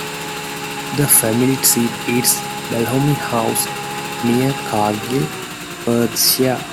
The family seat is Balhomie House, near Cargill, Perthshire.